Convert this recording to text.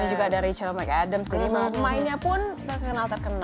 ada juga ada rachel mccadoms ini pemainnya pun terkenal terkenal